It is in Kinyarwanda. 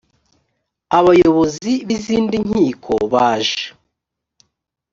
abayobozi b izindi nkiko baje